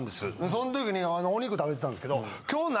その時にお肉食べてたんですけど。